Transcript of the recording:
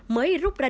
mới rút ra điện thoại